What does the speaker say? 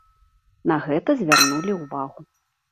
На гэта звярнулі ўвагу.